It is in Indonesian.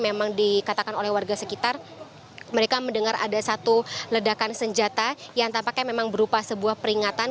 memang dikatakan oleh warga sekitar mereka mendengar ada satu ledakan senjata yang tampaknya memang berupa sebuah peringatan